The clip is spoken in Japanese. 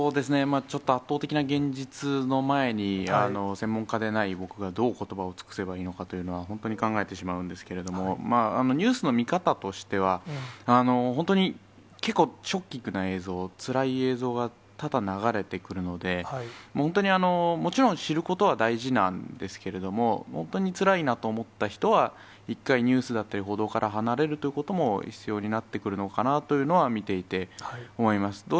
ちょっと圧倒的な現実の前に、専門家でない僕がどうことばを尽くせばいいのかというのは、本当に考えてしまうんですけれども、ニュースの見方としては、本当に、結構、ショッキングな映像、つらい映像が多々流れてくるので、本当にもちろん知ることは大事なんですけれども、本当につらいなと思った人は、一回ニュースだったり、報道から離れるということも必要になってくるのかなというのは見ていて思います。